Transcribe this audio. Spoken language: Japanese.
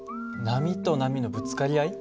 波と波のぶつかり合い？